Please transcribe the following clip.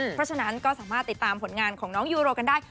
เพราะฉะนั้นก็สามารถติดตามผลงานของน้องยูโรกันได้